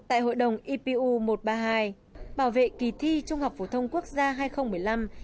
tại hội đồng ipu một trăm ba mươi hai bảo vệ kỳ thi trung học phổ thông quốc gia hai nghìn một mươi năm